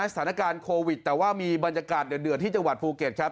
สถานการณ์โควิดแต่ว่ามีบรรยากาศเดือดที่จังหวัดภูเก็ตครับ